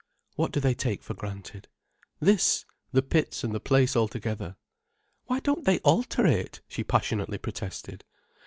"What do they take for granted?" "This—the pits and the place altogether." "Why don't they alter it?" she passionately protested.